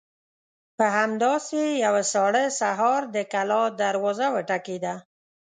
په همداسې يوه ساړه سهار د کلا دروازه وټکېده.